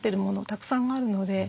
たくさんあるので。